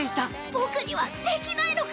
僕にはできないのか？